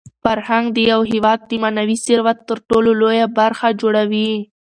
فرهنګ د یو هېواد د معنوي ثروت تر ټولو لویه برخه جوړوي.